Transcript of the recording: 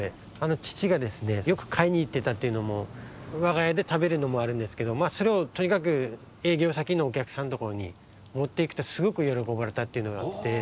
ちちがですねよくかいにいってたっていうのもわがやでたべるのもあるんですけどまあそれをとにかくえいぎょうさきのおきゃくさんのところにもっていくとすごくよろこばれたっていうのがあって。